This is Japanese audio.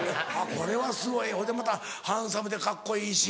これはすごいほいでまたハンサムでカッコいいし。